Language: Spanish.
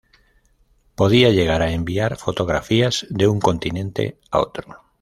Podía llegar a enviar fotografías de un continente a otro.